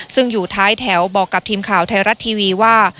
ซึ่งอยู่ท้ายแถวบอกกับทีมข่าวไทยรัฐทีวีว่า